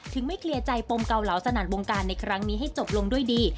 ไม่เคลียร์ใจปมเกาเหลาสนัดวงการในครั้งนี้ให้จบลงด้วยดี